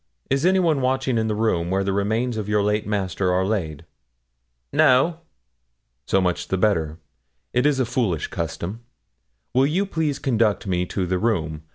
Is anyone watching in the room where the remains of your late master are laid?' 'No.' 'So much the better; it is a foolish custom. Will you please conduct me to the room?